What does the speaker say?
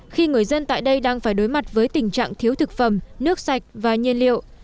khi người dân tại đây đang phải đối mặt với tình trạng thiếu thực phẩm nước sạch và nhiên liệu